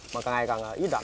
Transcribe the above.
mà càng ngày càng ít rắn